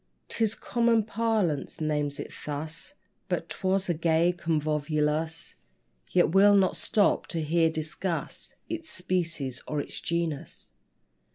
'Tis common parlance names it thus; But 'twas a gay convolvulus: Yet we'll not stop to here discuss Its species or its genus.